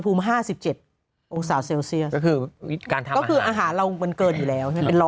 พอสมควร